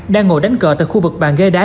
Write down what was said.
đang ngồi đánh cờ tại khu vực bàn ghế đá